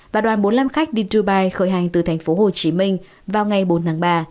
và đoàn bốn mươi năm khách đi dubai khởi hành từ thành phố hồ chí minh vào ngày bốn tháng ba